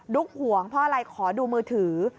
ห่วงเพราะอะไรขอดูมือถือ